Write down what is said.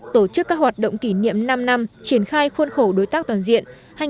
tổ chức các hoạt động kỷ niệm năm năm triển khai khuôn khổ đối tác toàn diện hai nghìn một mươi chín hai nghìn hai mươi bốn